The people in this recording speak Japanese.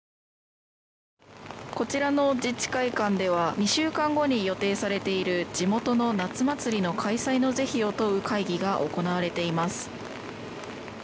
こちらの自治会館では２週間後に予定されている地元の夏祭りの開催の是非を問う会議が行われています。